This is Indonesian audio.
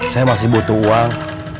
saya masih butuh uang